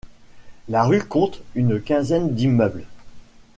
La rue compte une quinzaine d'immeubles.